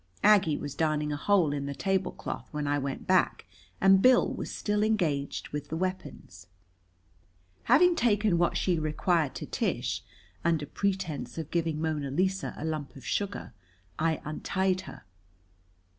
Aggie was darning a hole in the tablecloth when I went back and Bill was still engaged with the weapons. Having taken what she required to Tish, under pretense of giving Mona Lisa a lump of sugar, I untied her.